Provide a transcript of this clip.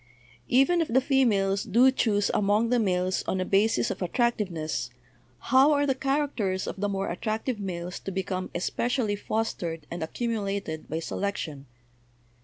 ''Even if the females do choose among the males on a basis of attractiveness, how are the characters of the 220 BIOLOGY more attractive males to become especially fostered and accumulated by selection?